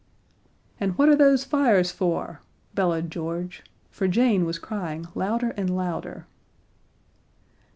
"And what are those fires for?" bellowed George for Jane was crying louder and louder.